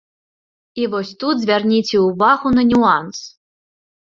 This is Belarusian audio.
І вось тут звярніце ўвагу на нюанс.